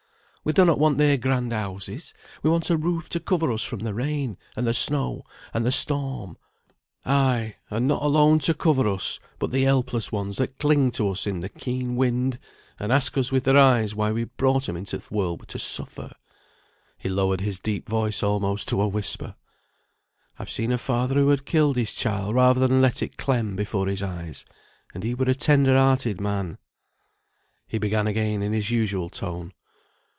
We donnot want their grand houses, we want a roof to cover us from the rain, and the snow, and the storm; ay, and not alone to cover us, but the helpless ones that cling to us in the keen wind, and ask us with their eyes why we brought 'em into th' world to suffer?" He lowered his deep voice almost to a whisper. "I've seen a father who had killed his child rather than let it clem before his eyes; and he were a tender hearted man." He began again in his usual tone.